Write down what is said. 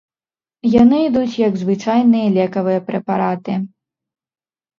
Яны ідуць як звычайныя лекавыя прэпараты.